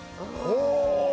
ほう！